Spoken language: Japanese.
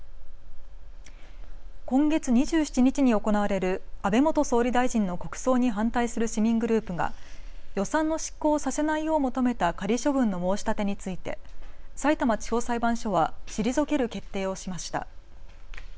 今月２７日に行われる安倍元総理大臣の国葬に反対する市民グループが予算の執行をさせないよう求めた仮処分の申し立てについてさいたま地方裁判所は退ける決定をしました。